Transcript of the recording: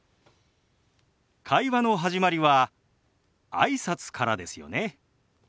会話の始まりはあいさつからですよね。